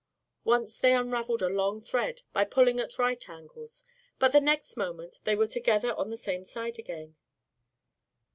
Once they unraveled a long thread by pulling at right angles, but the next moment they were together on the same side again.